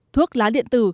thuốc lá điện tử